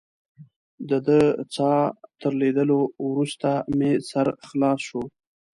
ددې څاه تر لیدلو وروسته مې سر ښه خلاص شو.